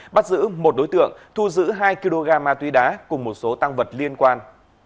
bắt giữ một đối tượng thu giữ hai kg ma túy đá cùng một số tăng vật liên quan